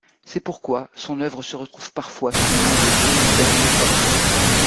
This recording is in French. C'est pourquoi son œuvre se retrouve parfois sous le nom de Jenny Bernier-Hoppe.